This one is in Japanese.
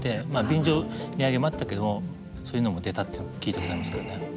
便乗値上げもあったけどそういうのも出たっていうのを聞いたことありますけどね。